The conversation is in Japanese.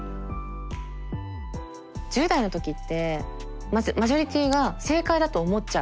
１０代の時ってまずマジョリティーが正解だと思っちゃう。